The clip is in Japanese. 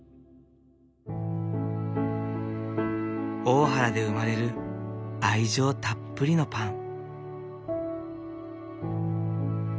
大原で生まれる愛情たっぷりのパン。